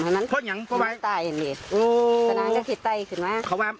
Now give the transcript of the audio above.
เห็ดมันเป็นกันสมม่า